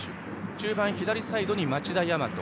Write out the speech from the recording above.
中盤、左サイドに町田也真人。